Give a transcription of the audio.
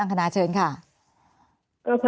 แอนตาซินเยลโรคกระเพาะอาหารท้องอืดจุกเสียดแสบร้อน